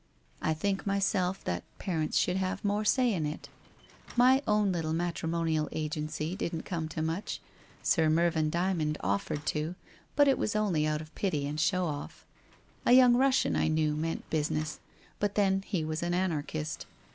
I think myself that pa rents should have more say in it. My own little matri monial agency didn't come to much. Sir Mervyn Dymond offered to, but it was only out of pity and show off. A young Russian I knew meant business, but then he was an anarchist.